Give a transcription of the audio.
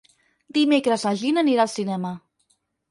Dimecres na Gina anirà al cinema.